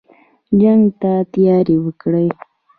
جنګ ته تیاری وکړی.